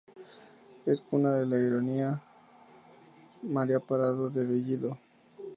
Es cuna de la heroína María Parado de Bellido.